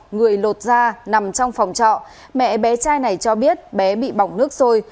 người lột ra nằm trong phòng trọ mẹ bé trai này cho biết bé bị bỏng nước sôi